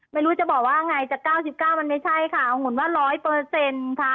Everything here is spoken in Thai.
ไม่รู้จะบอกว่าไงจะ๙๙มันไม่ใช่ค่ะเอาหุ่นว่า๑๐๐ค่ะ